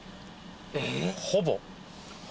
ほぼ。